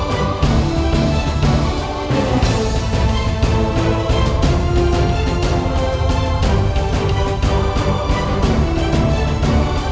perbekalan kita sudah menipis